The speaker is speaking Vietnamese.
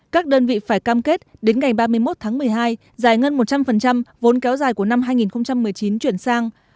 các đơn vị phải cam kết đến ngày ba mươi một tháng một mươi hai giải ngân một trăm linh vốn kéo dài của năm hai nghìn một mươi chín chuyển sang